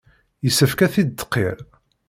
Yessefk ad t-id-tqirr.